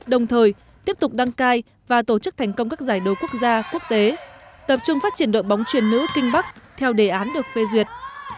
đồng thời tiếp tục đăng cai và tổ chức thành công các giải đấu quốc gia quốc tế tập trung phát triển đội bóng truyền nữ kinh bắc theo đề án được phê duyệt